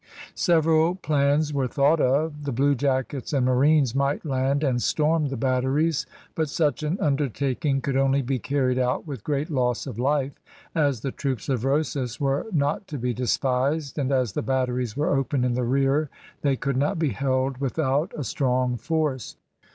Several plans were thought of, the bluejackets and marines might land and storm the batteries, but such an undertaking could only be carried out with great loss of life, as the troops of Rosas were not to be despised, and as the batteries were open in the rear they could not be held without a strong force.